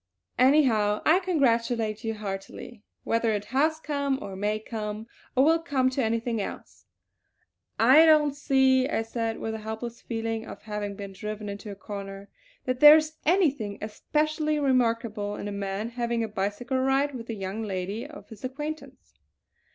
Anyhow I congratulate you heartily, whether it has come, or may come, or will come to anything else." "I don't see," I said, with a helpless feeling of having been driven into a corner, "that there is anything especially remarkable in a man having a bicycle ride with a young lady of his acquaintance."